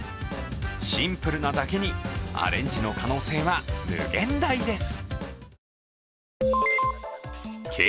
シンプルなだけにアレンジの可能性は無限大です。